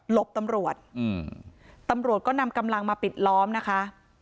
บตำรวจอืมตำรวจตำรวจก็นำกำลังมาปิดล้อมนะคะ